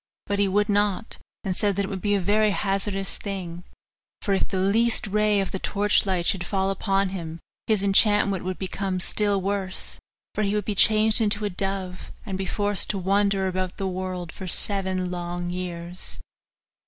But he would not, and said that it would be a very hazardous thing; for if the least ray of the torch light should fall upon him his enchantment would become still worse, for he should be changed into a dove, and be forced to wander about the world for seven long years.